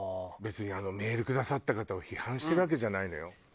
別にメールくださった方を批判してるわけじゃないのよ。